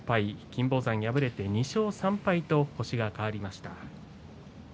金峰山、敗れて２勝３敗と星が変わりました。